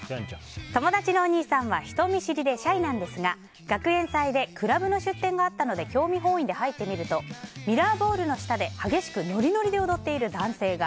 友達のお兄さんは人見知りでシャイなんですが学園祭でクラブの出店があったので興味本位で入ってみるとミラーボールの下で激しくノリノリで踊っている男性が。